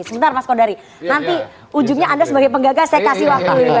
sebentar mas kodari nanti ujungnya anda sebagai penggagas saya kasih waktu dulu